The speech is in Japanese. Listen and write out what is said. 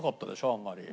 あんまり。